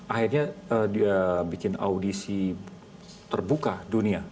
akhirnya dia bikin audisi terbuka dunia